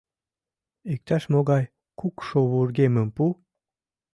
Иктаж-могай кукшо вургемым пу.